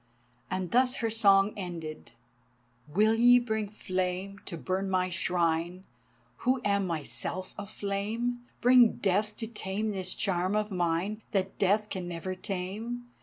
And thus her song ended: "Will ye bring flame to burn my Shrine Who am myself a flame, Bring death to tame this charm of mine That death can never tame?